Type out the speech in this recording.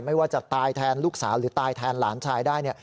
ไม่ว่าจะตายแทนลูกสาวหรือตายแทนหลานชายได้เนี่ย